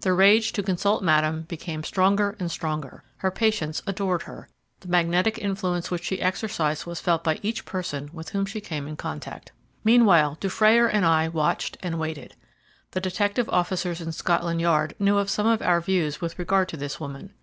The rage to consult Madame became stronger and stronger. Her patients adored her. The magnetic influence which she exercised was felt by each person with whom she came in contact. Meanwhile Dufrayer and I watched and waited. The detective officers in Scotland Yard knew of some of our views with regard to this woman.